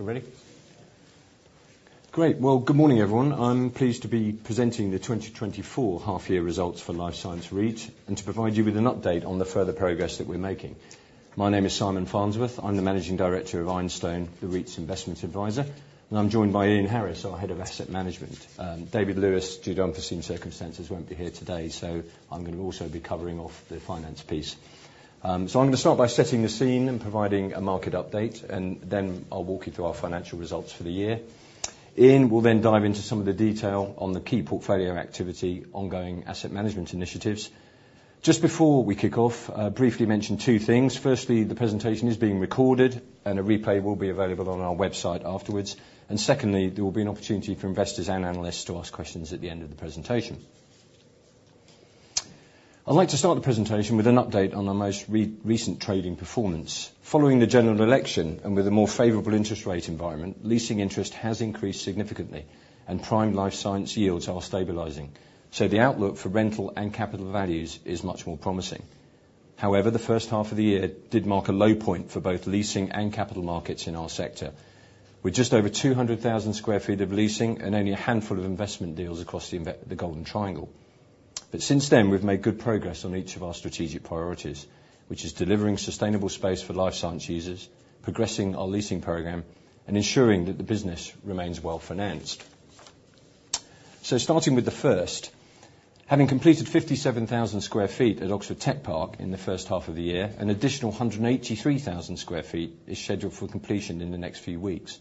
You ready? Great. Well, good morning, everyone. I'm pleased to be presenting the 2024 Results for Life Science REIT, and to provide you with an update on the further progress that we're making. My name is Simon Farnsworth. I'm the Managing Director of Ironstone, the REIT's investment advisor, and I'm joined by Ian Harris, our Head of Asset Management. David Lewis, due to unforeseen circumstances, won't be here today, so I'm gonna also be covering off the finance piece. So I'm gonna start by setting the scene and providing a market update, and then I'll walk you through our financial results for the year. Ian will then dive into some of the detail on the key portfolio activity, ongoing asset management initiatives. Just before we kick off, I'll briefly mention two things. Firstly, the presentation is being recorded, and a replay will be available on our website afterwards. And secondly, there will be an opportunity for investors and analysts to ask questions at the end of the presentation. I'd like to start the presentation with an update on the most recent trading performance. Following the general election, and with a more favorable interest rate environment, leasing interest has increased significantly, and prime life science yields are stabilizing. So the outlook for rental and capital values is much more promising. However, the first half of the year did mark a low point for both leasing and capital markets in our sector, with just over 200,000 sq ft of leasing and only a handful of investment deals across the Golden Triangle. But since then, we've made good progress on each of our strategic priorities, which is delivering sustainable space for life science users, progressing our leasing program, and ensuring that the business remains well-financed. So starting with the first, having completed fifty-seven thousand sq ft at Oxford Technology Park in the first half of the year, an additional hundred and eighty-three thousand sq ft is scheduled for completion in the next few weeks.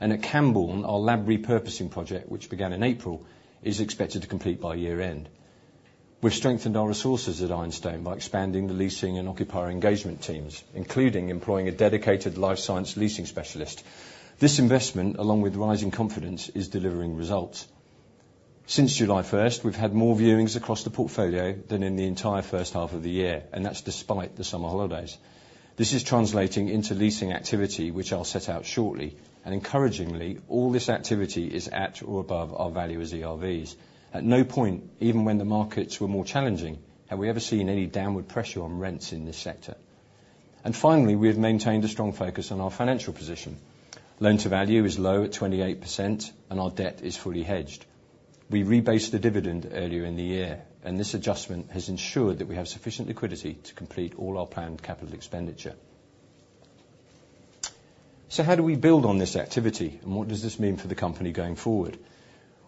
And at Cambourne Park, our lab repurposing project, which began in April, is expected to complete by year-end. We've strengthened our resources at Ironstone by expanding the leasing and occupier engagement teams, including employing a dedicated life science leasing specialist. This investment, along with rising confidence, is delivering results. Since July 1st, we've had more viewings across the portfolio than in the entire first half of the year, and that's despite the summer holidays. This is translating into leasing activity, which I'll set out shortly, and encouragingly, all this activity is at or above our valuer's ERVs. At no point, even when the markets were more challenging, have we ever seen any downward pressure on rents in this sector. Finally, we have maintained a strong focus on our financial position. Loan-to-value is low at 28%, and our debt is fully hedged. We rebased the dividend earlier in the year, and this adjustment has ensured that we have sufficient liquidity to complete all our planned capital expenditure. How do we build on this activity, and what does this mean for the company going forward?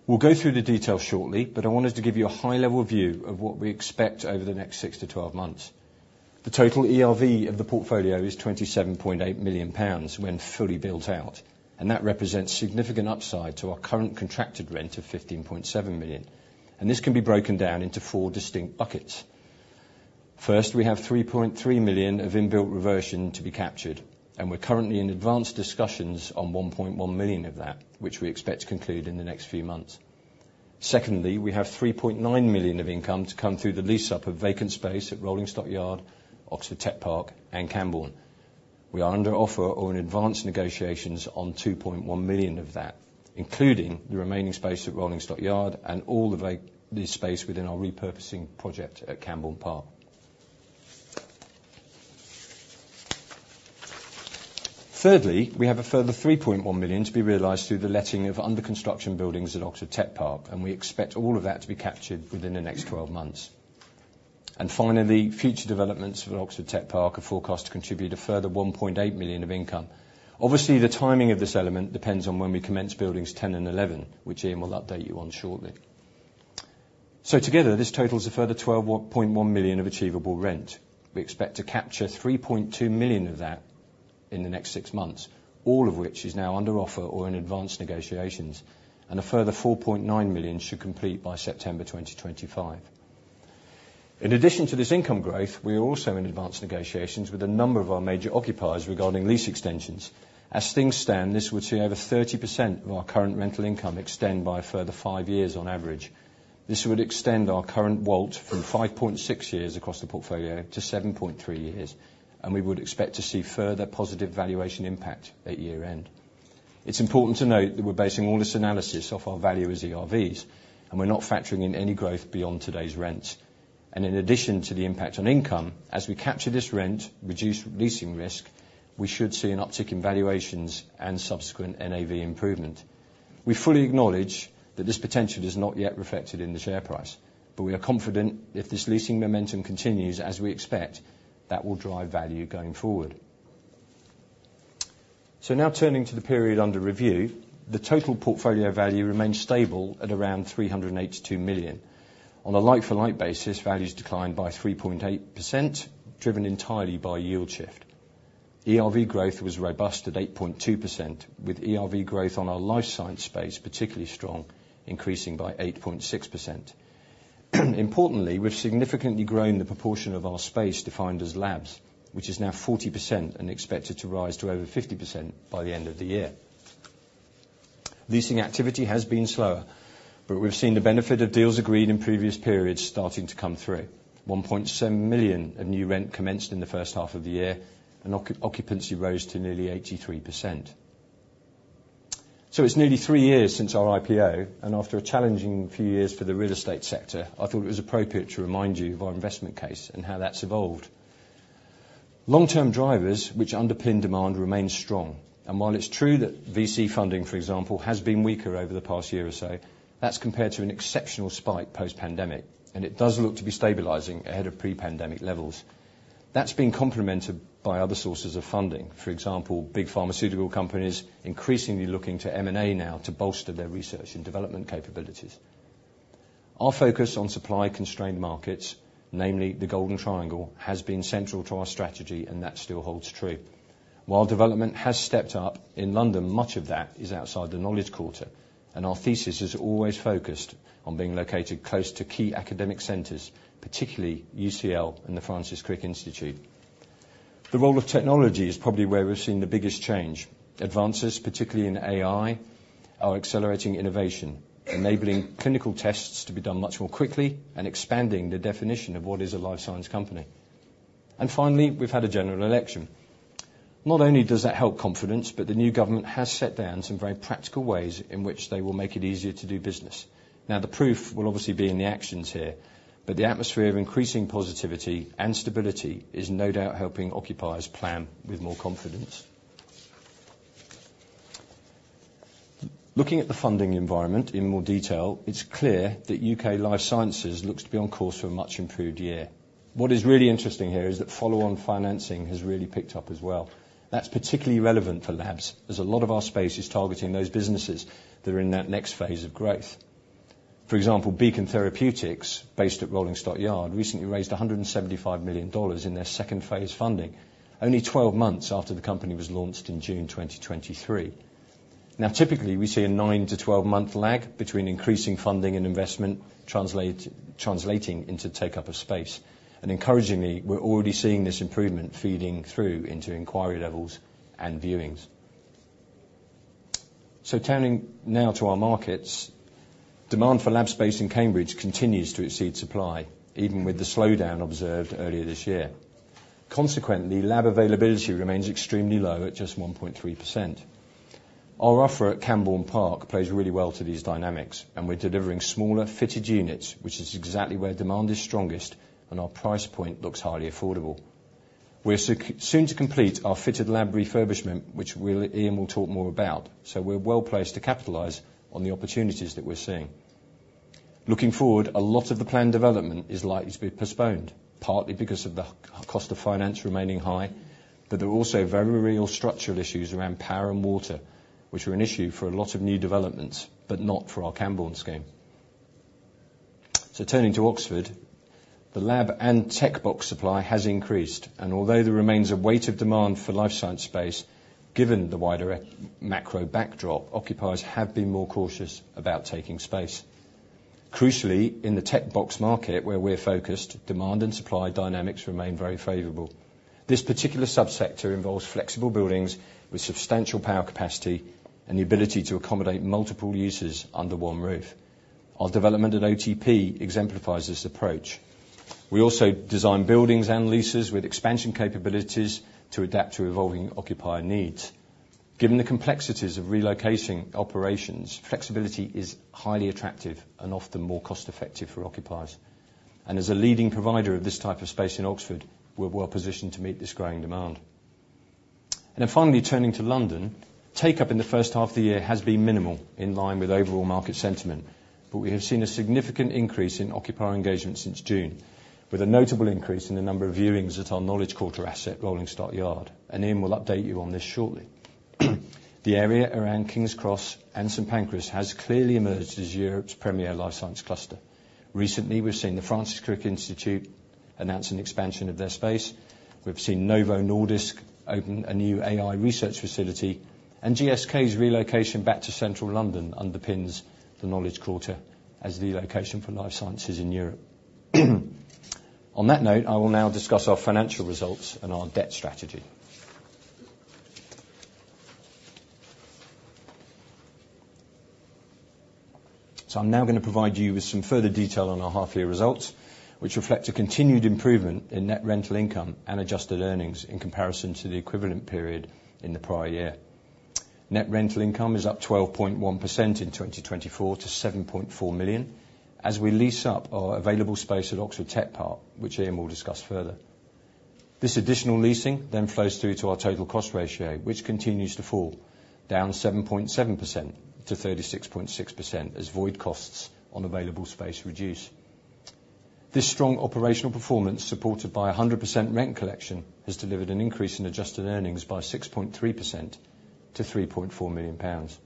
We'll go through the details shortly, but I wanted to give you a high-level view of what we expect over the next 6 to 12 months. The total ERV of the portfolio is 27.8 million pounds when fully built out, and that represents significant upside to our current contracted rent of 15.7 million. This can be broken down into four distinct buckets. First, we have 3.3 million of in-built reversion to be captured, and we're currently in advanced discussions on 1.1 million of that, which we expect to conclude in the next few months. Secondly, we have 3.9 million of income to come through the lease-up of vacant space at Rolling Stock Yard, Oxford Technology Park, and Cambourne Park. We are under offer or in advanced negotiations on 2.1 million of that, including the remaining space at Rolling Stock Yard and all the lease space within our repurposing project at Cambourne Park. Thirdly, we have a further 3.1 million to be realized through the letting of under-construction buildings at Oxford Technology Park, and we expect all of that to be captured within the next 12 months. And finally, future developments for Oxford Technology Park are forecast to contribute a further 1.8 million of income. Obviously, the timing of this element depends on when we commence buildings 10 and 11, which Ian will update you on shortly. So together, this totals a further 12.1 million of achievable rent. We expect to capture 3.2 million of that in the next six months, all of which is now under offer or in advanced negotiations, and a further 4.9 million should complete by September 2025. In addition to this income growth, we are also in advanced negotiations with a number of our major occupiers regarding lease extensions. As things stand, this would see over 30% of our current rental income extend by a further five years on average. This would extend our current WALT from 5.6 years across the portfolio to 7.3 years, and we would expect to see further positive valuation impact at year-end. It's important to note that we're basing all this analysis off our valuer's ERVs, and we're not factoring in any growth beyond today's rents, and in addition to the impact on income, as we capture this rent, reduce leasing risk, we should see an uptick in valuations and subsequent NAV improvement. We fully acknowledge that this potential is not yet reflected in the share price, but we are confident if this leasing momentum continues as we expect, that will drive value going forward. So now turning to the period under review, the total portfolio value remains stable at around 382 million. On a like-for-like basis, values declined by 3.8%, driven entirely by yield shift. ERV growth was robust at 8.2%, with ERV growth on our life science space particularly strong, increasing by 8.6%. Importantly, we've significantly grown the proportion of our space defined as labs, which is now 40% and expected to rise to over 50% by the end of the year. Leasing activity has been slower, but we've seen the benefit of deals agreed in previous periods starting to come through. 1.7 million of new rent commenced in the first half of the year, and occupancy rose to nearly 83%.... So it's nearly three years since our IPO, and after a challenging few years for the real estate sector, I thought it was appropriate to remind you of our investment case and how that's evolved. Long-term drivers, which underpin demand, remain strong, and while it's true that VC funding, for example, has been weaker over the past year or so, that's compared to an exceptional spike post-pandemic, and it does look to be stabilizing ahead of pre-pandemic levels. That's been complemented by other sources of funding. For example, big pharmaceutical companies increasingly looking to M&A now to bolster their research and development capabilities. Our focus on supply-constrained markets, namely the Golden Triangle, has been central to our strategy, and that still holds true. While development has stepped up in London, much of that is outside the Knowledge Quarter, and our thesis is always focused on being located close to key academic centers, particularly UCL and the Francis Crick Institute. The role of technology is probably where we've seen the biggest change. Advances, particularly in AI, are accelerating innovation, enabling clinical tests to be done much more quickly and expanding the definition of what is a life science company. And finally, we've had a general election. Not only does that help confidence, but the new government has set down some very practical ways in which they will make it easier to do business. Now, the proof will obviously be in the actions here, but the atmosphere of increasing positivity and stability is no doubt helping occupiers plan with more confidence. Looking at the funding environment in more detail, it's clear that UK life sciences looks to be on course for a much-improved year. What is really interesting here is that follow-on financing has really picked up as well. That's particularly relevant for labs, as a lot of our space is targeting those businesses that are in that next phase of growth. For example, Beacon Therapeutics, based at Rolling Stock Yard, recently raised $175 million in their second phase funding, only twelve months after the company was launched in June 2023. Now, typically, we see a nine to twelve-month lag between increasing funding and investment translating into take-up of space. And encouragingly, we're already seeing this improvement feeding through into inquiry levels and viewings. So turning now to our markets, demand for lab space in Cambridge continues to exceed supply, even with the slowdown observed earlier this year. Consequently, lab availability remains extremely low at just 1.3%. Our offer at Cambourne Park plays really well to these dynamics, and we're delivering smaller fitted units, which is exactly where demand is strongest, and our price point looks highly affordable. We're soon to complete our fitted lab refurbishment, which Ian will talk more about, so we're well placed to capitalize on the opportunities that we're seeing. Looking forward, a lot of the planned development is likely to be postponed, partly because of the cost of finance remaining high, but there are also very real structural issues around power and water, which are an issue for a lot of new developments, but not for our Cambourne scheme. Turning to Oxford, the lab and tech box supply has increased, and although there remains a weight of demand for life science space, given the wider economic macro backdrop, occupiers have been more cautious about taking space. Crucially, in the tech box market, where we're focused, demand and supply dynamics remain very favorable. This particular subsector involves flexible buildings with substantial power capacity and the ability to accommodate multiple uses under one roof. Our development at OTP exemplifies this approach. We also design buildings and leases with expansion capabilities to adapt to evolving occupier needs. Given the complexities of relocating operations, flexibility is highly attractive and often more cost-effective for occupiers. As a leading provider of this type of space in Oxford, we're well positioned to meet this growing demand. Then finally, turning to London, take-up in the first half of the year has been minimal, in line with overall market sentiment, but we have seen a significant increase in occupier engagement since June, with a notable increase in the number of viewings at our Knowledge Quarter asset, Rolling Stock Yard, and Ian will update you on this shortly. The area around King's Cross and St Pancras has clearly emerged as Europe's premier life science cluster. Recently, we've seen the Francis Crick Institute announce an expansion of their space. We've seen Novo Nordisk open a new AI research facility, and GSK's relocation back to central London underpins the Knowledge Quarter as the location for life sciences in Europe. On that note, I will now discuss our financial results and our debt strategy. So I'm now going to provide you with some further detail on our half-year results, which reflect a continued improvement in net rental income and adjusted earnings in comparison to the equivalent period in the prior year. Net rental income is up 12.1% in 2024 to 7.4 million, as we lease up our available space at Oxford Technology Park, which Ian will discuss further. This additional leasing then flows through to our total cost ratio, which continues to fall, down 7.7% to 36.6%, as void costs on available space reduce. This strong operational performance, supported by 100% rent collection, has delivered an increase in adjusted earnings by 6.3% to 3.4 million pounds.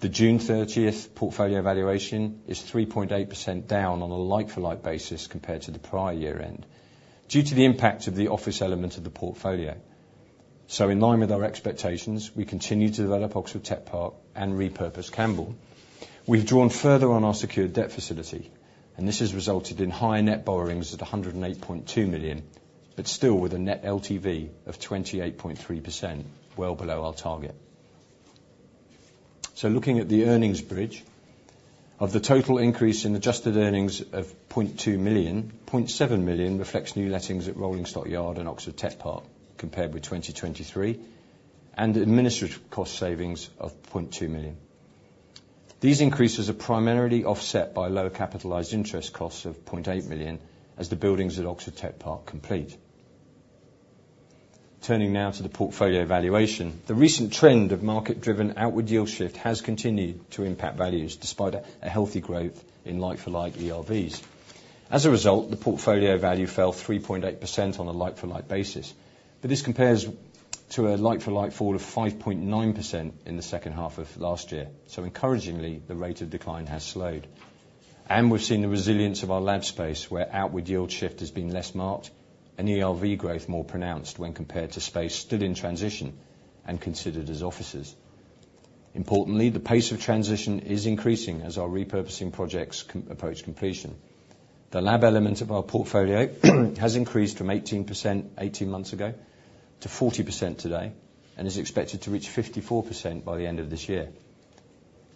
The June thirtieth portfolio valuation is 3.8% down on a like-for-like basis compared to the prior year end, due to the impact of the office element of the portfolio. In line with our expectations, we continue to develop Oxford Tech Park and repurpose Cambourne. We've drawn further on our secured debt facility, and this has resulted in higher net borrowings at 108.2 million, but still with a net LTV of 28.3%, well below our target. Of the total increase in adjusted earnings of 0.2 million, 0.7 million reflects new lettings at Rolling Stock Yard and Oxford Tech Park compared with 2023, and administrative cost savings of 0.2 million. These increases are primarily offset by lower capitalized interest costs of 0.8 million as the buildings at Oxford Tech Park complete. Turning now to the portfolio valuation, the recent trend of market-driven outward yield shift has continued to impact values, despite a healthy growth in like-for-like ERVs. As a result, the portfolio value fell 3.8% on a like-for-like basis, but this compares to a like-for-like fall of 5.9% in the second half of last year. So encouragingly, the rate of decline has slowed, and we've seen the resilience of our lab space, where outward yield shift has been less marked, and ERV growth more pronounced when compared to space still in transition and considered as offices. Importantly, the pace of transition is increasing as our repurposing projects approach completion. The lab element of our portfolio has increased from 18% eighteen months ago to 40% today, and is expected to reach 54% by the end of this year.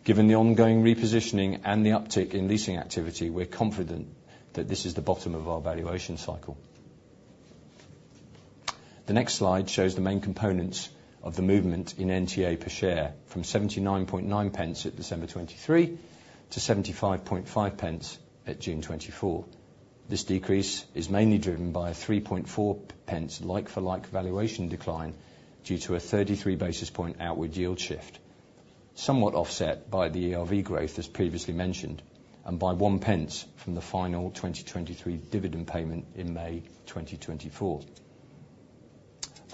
Given the ongoing repositioning and the uptick in leasing activity, we're confident that this is the bottom of our valuation cycle. The next slide shows the main components of the movement in NTA per share, from 0.799 at December 2023 to 0.755 at June 2024. This decrease is mainly driven by a 0.034 like-for-like valuation decline due to a thirty-three basis point outward yield shift, somewhat offset by the ERV growth, as previously mentioned, and by 0.01 from the final 2023 dividend payment in May 2024.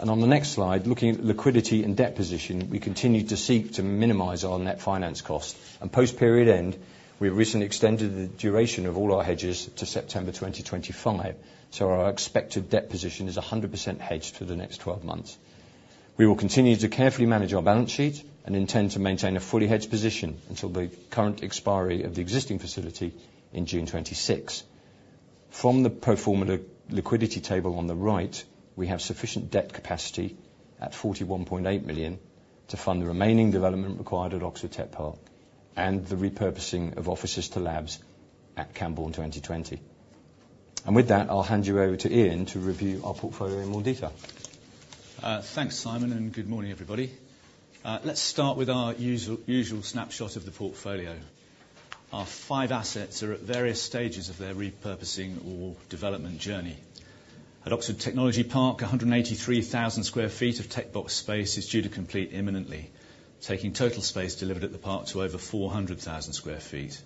On the next slide, looking at liquidity and debt position, we continue to seek to minimize our net finance costs. Post-period end, we recently extended the duration of all our hedges to September 2025, so our expected debt position is 100% hedged for the next 12 months. We will continue to carefully manage our balance sheet and intend to maintain a fully hedged position until the current expiry of the existing facility in June 2026. From the pro forma liquidity table on the right, we have sufficient debt capacity at 41.8 million to fund the remaining development required at Oxford Technology Park and the repurposing of offices to labs at Cambourne 2020. With that, I'll hand you over to Ian to review our portfolio in more detail. Thanks, Simon, and good morning, everybody. Let's start with our usual snapshot of the portfolio. Our five assets are at various stages of their repurposing or development journey. At Oxford Technology Park, 183,000 sq ft of tech box space is due to complete imminently, taking total space delivered at the park to over 400,000 sq ft.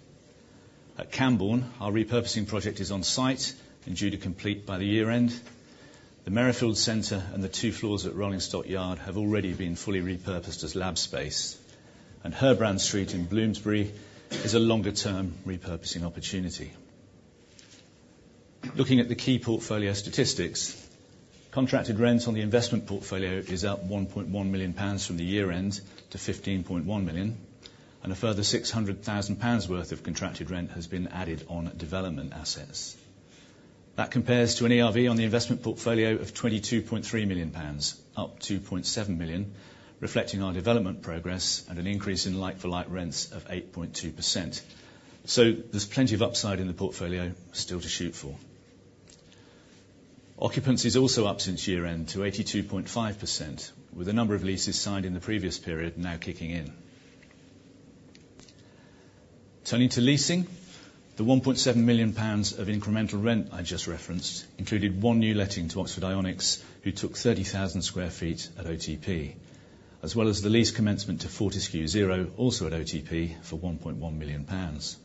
At Cambourne, our repurposing project is on site and due to complete by the year end. The Merrifield Centre and the two floors at Rolling Stock Yard have already been fully repurposed as lab space, and Herbrand Street in Bloomsbury is a longer term repurposing opportunity. Looking at the key portfolio statistics, contracted rents on the investment portfolio is up 1.1 million pounds from the year end to 15.1 million, and a further 600,000 pounds worth of contracted rent has been added on development assets. That compares to an ERV on the investment portfolio of 22.3 million pounds, up 2.7 million, reflecting our development progress and an increase in like-for-like rents of 8.2%. So there's plenty of upside in the portfolio still to shoot for. Occupancy is also up since year end to 82.5%, with a number of leases signed in the previous period now kicking in. Turning to leasing, the 1.7 million pounds of incremental rent I just referenced included one new letting to Oxford Ionics, who took 30,000 sq ft at OTP, as well as the lease commencement to Fortescue Zero, also at OTP, for 1.1 million pounds.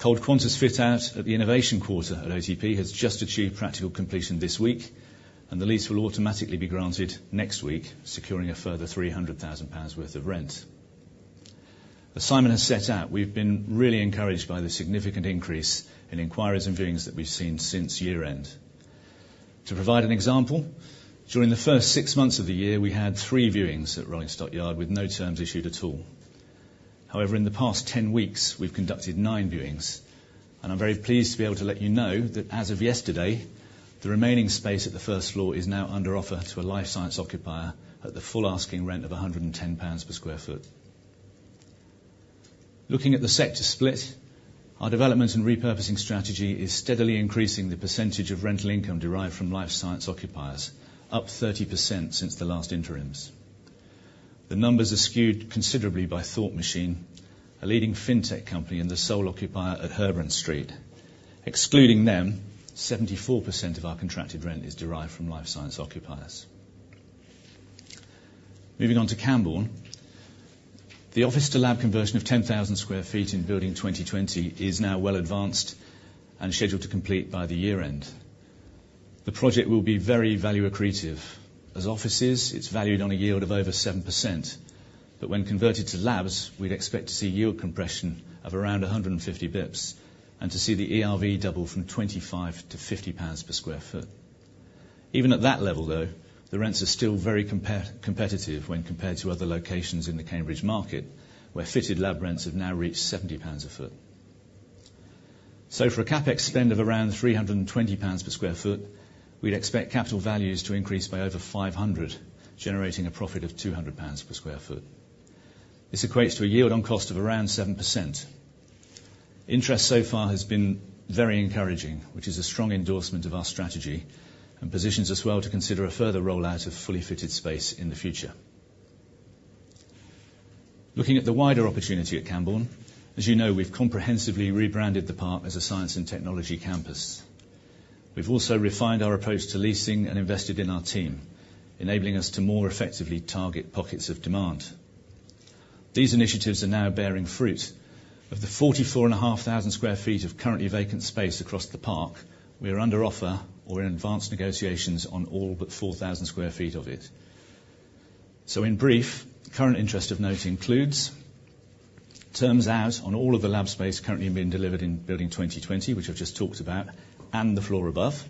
ColdQuanta fit out at the Innovation Quarter at OTP has just achieved practical completion this week, and the lease will automatically be granted next week, securing a further GBP 300,000 worth of rent. As Simon has set out, we've been really encouraged by the significant increase in inquiries and viewings that we've seen since year end. To provide an example, during the first six months of the year, we had three viewings at Rolling Stock Yard, with no terms issued at all. However, in the past ten weeks, we've conducted nine viewings, and I'm very pleased to be able to let you know that as of yesterday, the remaining space at the first floor is now under offer to a life science occupier at the full asking rent of 110 pounds per sq ft. Looking at the sector split, our development and repurposing strategy is steadily increasing the percentage of rental income derived from life science occupiers, up 30% since the last interims. The numbers are skewed considerably by Thought Machine, a leading fintech company and the sole occupier at Herbrand Street. Excluding them, 74% of our contracted rent is derived from life science occupiers. Moving on to Cambourne. The office-to-lab conversion of 10,000 sq ft in Building 2020 is now well advanced and scheduled to complete by the year end. The project will be very value accretive. As offices, it's valued on a yield of over 7%, but when converted to labs, we'd expect to see yield compression of around 150 basis points, and to see the ERV double from 25-50 pounds per sq ft. Even at that level, though, the rents are still very competitive when compared to other locations in the Cambridge market, where fitted lab rents have now reached 70 pounds per sq ft. So for a CapEx spend of around 320 pounds per sq ft, we'd expect capital values to increase by over 500, generating a profit of 200 pounds per sq ft. This equates to a yield on cost of around 7%. Interest so far has been very encouraging, which is a strong endorsement of our strategy, and positions us well to consider a further rollout of fully fitted space in the future. Looking at the wider opportunity at Cambourne, as you know, we've comprehensively rebranded the park as a science and technology campus. We've also refined our approach to leasing and invested in our team, enabling us to more effectively target pockets of demand. These initiatives are now bearing fruit. Of the 44.5 thousand sq ft of currently vacant space across the park, we are under offer or in advanced negotiations on all but 4,000 sq ft of it. So in brief, current interest of note includes terms out on all of the lab space currently being delivered in Building 2020, which I've just talked about, and the floor above.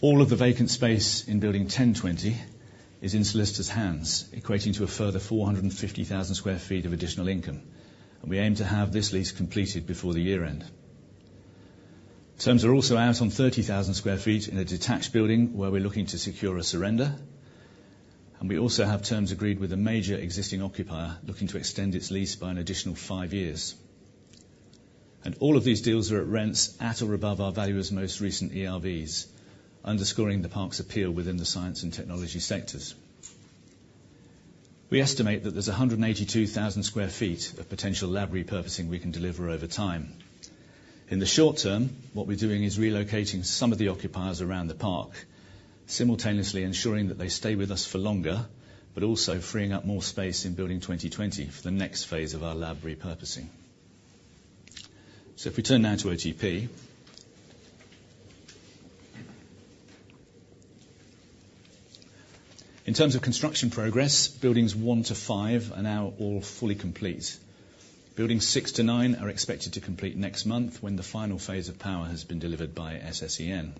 All of the vacant space in Building 1020 is in solicitor's hands, equating to a further 450,000 sq ft of additional income, and we aim to have this lease completed before the year end. Terms are also out on 30,000 sq ft in a detached building, where we're looking to secure a surrender, and we also have terms agreed with a major existing occupier looking to extend its lease by an additional 5 years. All of these deals are at rents at or above our valuer's most recent ERVs, underscoring the park's appeal within the science and technology sectors. We estimate that there's 182,000 sq ft of potential lab repurposing we can deliver over time. In the short term, what we're doing is relocating some of the occupiers around the park, simultaneously ensuring that they stay with us for longer, but also freeing up more space in Building 2020 for the next phase of our lab repurposing. So if we turn now to OTP. In terms of construction progress, Buildings 1 to 5 are now all fully complete. Buildings 6 to 9 are expected to complete next month, when the final phase of power has been delivered by SSEN.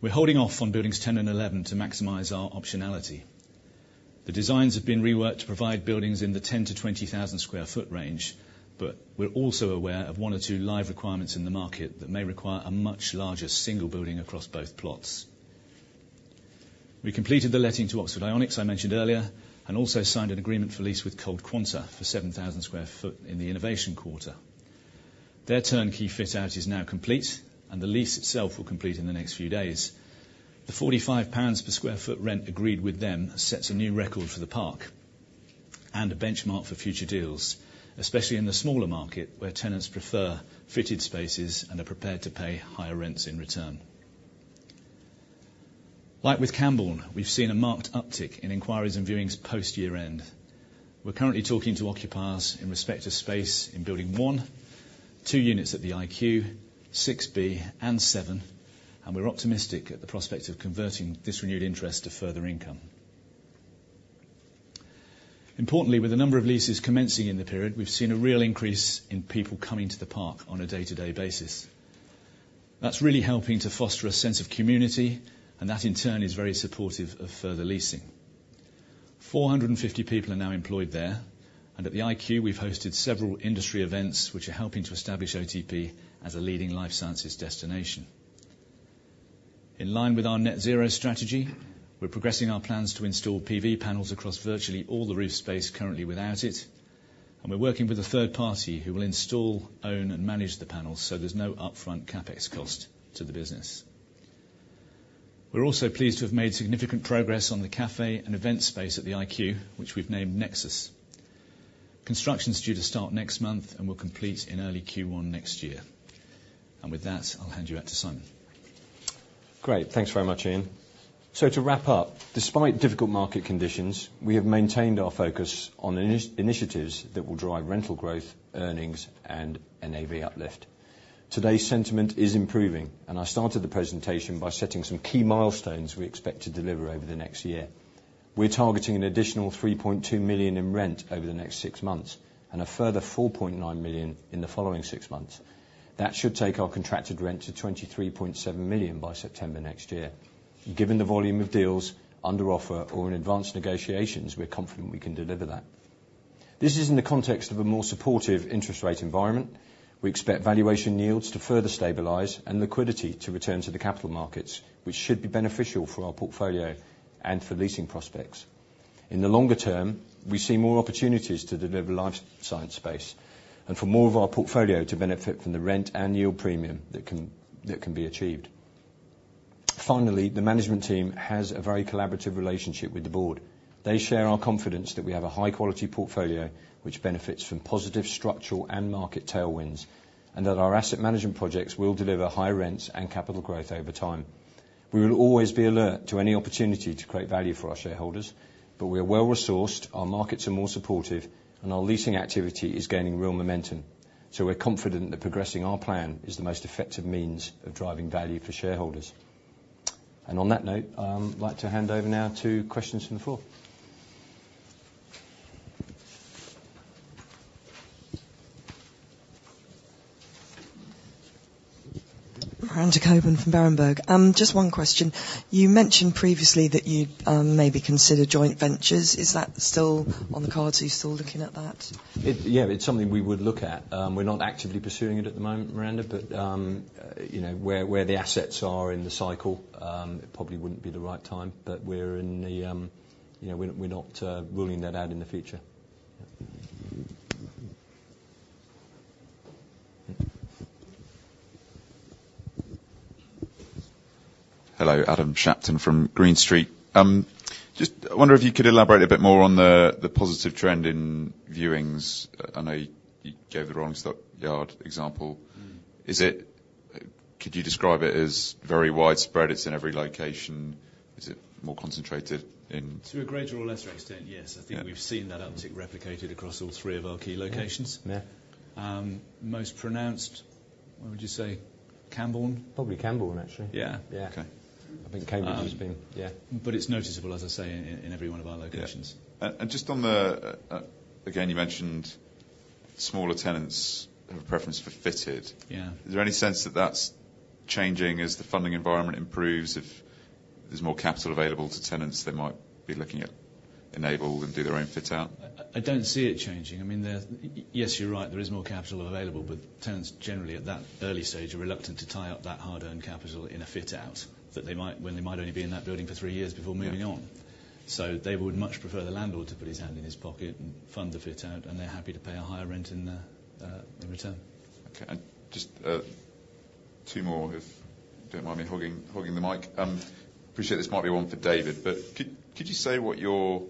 We're holding off on Buildings 10 and 11 to maximize our optionality. The designs have been reworked to provide buildings in the 10- to 20,000-sq ft range, but we're also aware of one or two live requirements in the market that may require a much larger single building across both plots. We completed the letting to Oxford Ionics, I mentioned earlier, and also signed an agreement for lease with ColdQuanta for 7,000 sq ft in the Innovation Quarter. Their turnkey fit-out is now complete, and the lease itself will complete in the next few days. The 45 pounds per sq ft rent agreed with them sets a new record for the park, and a benchmark for future deals, especially in the smaller market, where tenants prefer fitted spaces and are prepared to pay higher rents in return. Like with Cambourne, we've seen a marked uptick in inquiries and viewings post year-end. We're currently talking to occupiers in respect to space in Building 1, two units at the IQ, 6B and 7, and we're optimistic at the prospect of converting this renewed interest to further income. Importantly, with a number of leases commencing in the period, we've seen a real increase in people coming to the park on a day-to-day basis. That's really helping to foster a sense of community, and that, in turn, is very supportive of further leasing. 450 people are now employed there, and at the IQ, we've hosted several industry events, which are helping to establish OTP as a leading life sciences destination. In line with our net zero strategy, we're progressing our plans to install PV panels across virtually all the roof space currently without it, and we're working with a third party who will install, own, and manage the panels, so there's no upfront CapEx cost to the business. We're also pleased to have made significant progress on the cafe and event space at the IQ, which we've named Nexus. Construction is due to start next month and will complete in early Q1 next year, and with that, I'll hand you back to Simon. Great. Thanks very much, Ian. So to wrap up, despite difficult market conditions, we have maintained our focus on initiatives that will drive rental growth, earnings, and NAV uplift. Today's sentiment is improving, and I started the presentation by setting some key milestones we expect to deliver over the next year. We're targeting an additional 3.2 million in rent over the next six months, and a further 4.9 million in the following six months. That should take our contracted rent to 23.7 million by September next year. Given the volume of deals under offer or in advanced negotiations, we're confident we can deliver that. This is in the context of a more supportive interest rate environment. We expect valuation yields to further stabilize and liquidity to return to the capital markets, which should be beneficial for our portfolio and for leasing prospects. In the longer term, we see more opportunities to deliver life science space, and for more of our portfolio to benefit from the rent and yield premium that can be achieved. Finally, the management team has a very collaborative relationship with the board. They share our confidence that we have a high-quality portfolio, which benefits from positive structural and market tailwinds, and that our asset management projects will deliver high rents and capital growth over time. We will always be alert to any opportunity to create value for our shareholders, but we are well-resourced, our markets are more supportive, and our leasing activity is gaining real momentum, so we're confident that progressing our plan is the most effective means of driving value for shareholders. And on that note, I'd like to hand over now to questions from the floor. Miranda Cockburn from Berenberg. Just one question. You mentioned previously that you'd maybe consider joint ventures. Is that still on the cards? Are you still looking at that? Yeah, it's something we would look at. We're not actively pursuing it at the moment, Miranda, but you know, where the assets are in the cycle, it probably wouldn't be the right time, but we're in the... You know, we're not ruling that out in the future. Hello, Adam Shapton from Green Street. Just wonder if you could elaborate a bit more on the positive trend in viewings. I know you gave the Rolling Stock Yard example. Could you describe it as very widespread? It's in every location. Is it more concentrated in- To a greater or lesser extent, yes. Yeah. I think we've seen that uptick replicated across all three of our key locations. Yeah, yeah. Most pronounced, what would you say, Cambourne? Probably Cambourne, actually. Yeah. Yeah. Okay. I think Cambourne has been, yeah. but it's noticeable, as I say, in every one of our locations. Yeah. And just on the, again, you mentioned smaller tenants have a preference for fitted. Yeah. Is there any sense that that's changing as the funding environment improves? If there's more capital available to tenants, they might be looking at enabled, and do their own fit-out. I don't see it changing. I mean, yes, you're right, there is more capital available, but tenants generally, at that early stage, are reluctant to tie up that hard-earned capital in a fit-out, when they might only be in that building for three years before moving on. Yeah. So they would much prefer the landlord to put his hand in his pocket and fund the fit-out, and they're happy to pay a higher rent in return. Okay, and just two more, if you don't mind me hogging the mic. Appreciate this might be one for David, but could you say what your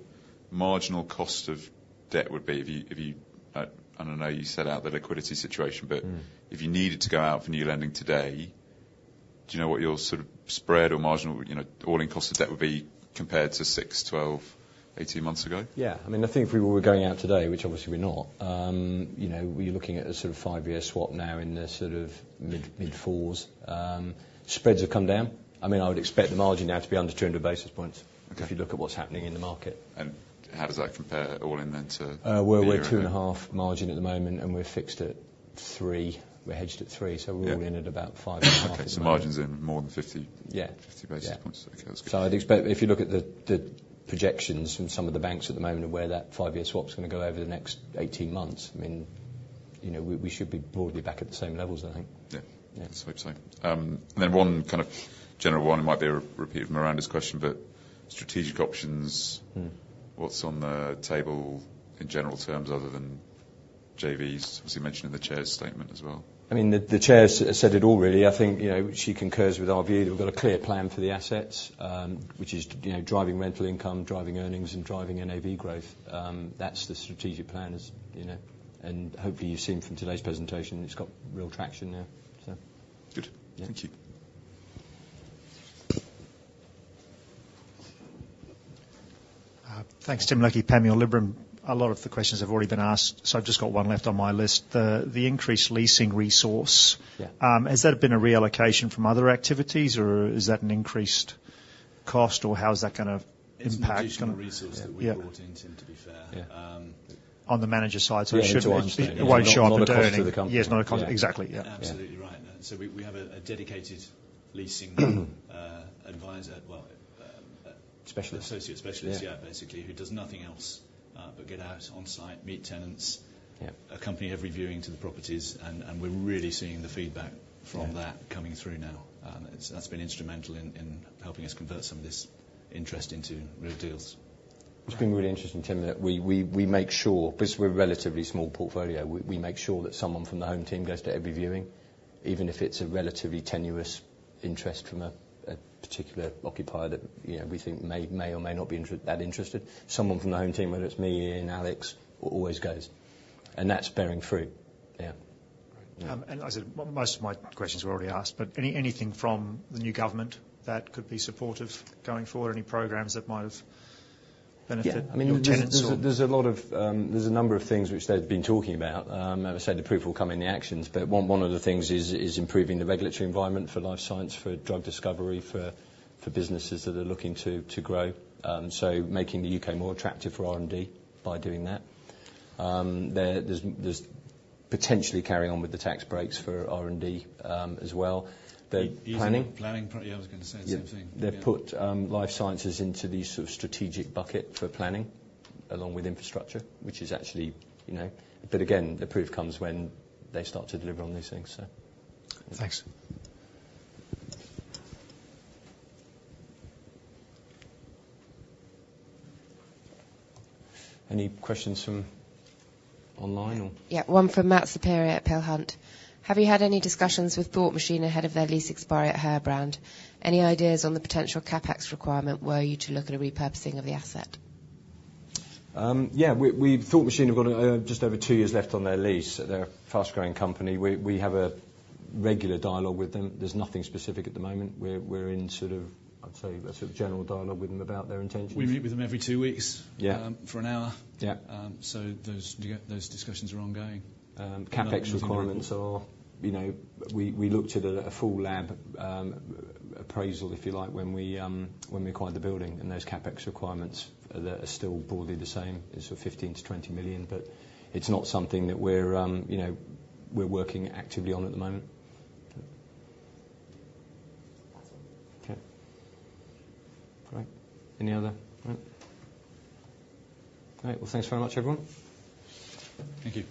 marginal cost of debt would be if you... I don't know, you set out the liquidity situation. But if you needed to go out for new lending today, do you know what your sort of spread or marginal, you know, all-in cost of debt would be compared to six, 12, 18 months ago? Yeah. I mean, I think if we were going out today, which obviously we're not, you know, we're looking at a sort of five-year swap now in the sort of mid, mid-fours. Spreads have come down. I mean, I would expect the margin now to be under two hundred basis points- Okay If you look at what's happening in the market. And how does that compare all in then to- We're two and a half margin at the moment, and we're fixed at three. We're hedged at three- Yeah So we're all in at about five and a half. Okay, so margin's in more than fifty- Yeah 50 basis points. Yeah. Okay, that's good. So I'd expect, if you look at the, the projections from some of the banks at the moment of where that five-year swap's gonna go over the next 18 months, I mean, you know, we, we should be broadly back at the same levels, I think. Yeah. Yeah. Sweet, so, then one kind of general one, it might be a repeat of Miranda's question, but strategic options. What's on the table in general terms, other than JVs? Obviously, mentioned in the chair's statement as well. I mean, the chair has said it all really. I think, you know, she concurs with our view. We've got a clear plan for the assets, which is, you know, driving rental income, driving earnings, and driving NAV growth. That's the strategic plan, as you know, and hopefully you've seen from today's presentation, it's got real traction now, so. Good. Yeah. Thank you. Thanks, Tim Leckie, Panmure Liberum. A lot of the questions have already been asked, so I've just got one left on my list. The increased leasing resource- Yeah. Has that been a reallocation from other activities, or is that an increased cost, or how is that gonna impact? It's additional resource. Yeah. That we brought in, Tim, to be fair. Yeah. On the manager side, so it shouldn't. Yeah. It won't show up in the trading. It won't show up in the trading. Not a cost to the company. Yes, not a cost. Exactly, yeah. Yeah. Absolutely right. So we have a dedicated leasing advisor, well. Specialist. Associate specialist. Yeah... basically, who does nothing else but get out on site, meet tenants- Yeah... accompany every viewing to the properties, and we're really seeing the feedback from that- Yeah... coming through now. That's been instrumental in helping us convert some of this interest into real deals. It's been really interesting, Tim, that we make sure, because we're a relatively small portfolio, we make sure that someone from the home team goes to every viewing, even if it's a relatively tenuous interest from a particular occupier that, you know, we think may or may not be that interested. Someone from the home team, whether it's me, Ian, Alex, always goes, and that's bearing fruit. Yeah. Great. Yeah. And as I said, most of my questions were already asked, but anything from the new government that could be supportive going forward? Any programs that might have benefited- Yeah your tenants or? I mean, there's a lot of, there's a number of things which they've been talking about. As I said, the proof will come in the actions, but one of the things is improving the regulatory environment for life science, for drug discovery, for businesses that are looking to grow, so making the U.K. more attractive for R&D by doing that. There's potentially carrying on with the tax breaks for R&D, as well. The planning- Ease of planning, probably. I was gonna say the same thing. Yeah. Yeah. They've put life sciences into the sort of strategic bucket for planning, along with infrastructure, which is actually, you know... But again, the proof comes when they start to deliver on these things, so. Thanks. Any questions from online or? Yeah, one from Matthew Saperia at Peel Hunt: Have you had any discussions with Thought Machine ahead of their lease expiry at Herbrand? Any ideas on the potential CapEx requirement, were you to look at a repurposing of the asset? Yeah. We Thought Machine have got just over two years left on their lease. They're a fast-growing company. We have a regular dialogue with them. There's nothing specific at the moment. We're in sort of, I'd say, a sort of general dialogue with them about their intentions. We meet with them every two weeks- Yeah... for an hour. Yeah. So those discussions are ongoing. CapEx requirements are, you know, we looked at a full lab appraisal, if you like, when we acquired the building, and those CapEx requirements are still broadly the same. It's sort of 15-20 million, but it's not something that we're, you know, we're working actively on at the moment. That's all. All right. Any other... All right. Well, thanks very much, everyone. Thank you.